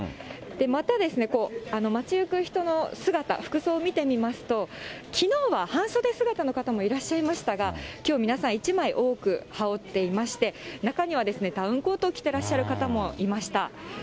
また、街行く人の姿、服装を見てみますと、きのうは半袖姿の方もいらっしゃいましたが、きょう、皆さん１枚多く羽織っていまして、中には、ダウンコートを着てらっしゃる方もいました。